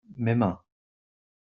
mes mains.